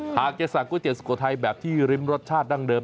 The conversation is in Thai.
หากจะสั่งก๋วยเตี๋สุโขทัยแบบที่ริมรสชาติดั้งเดิม